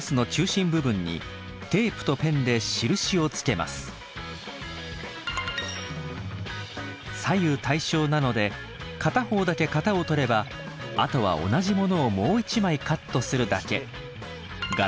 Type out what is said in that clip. まずは左右対称なので片方だけ型をとればあとは同じものをもう一枚カットするだけ。